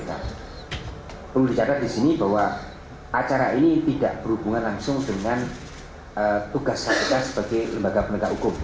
perlu dicatat di sini bahwa acara ini tidak berhubungan langsung dengan tugas kpk sebagai lembaga penegak hukum